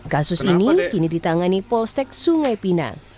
kasus ini kini ditangani polsek sungai pinang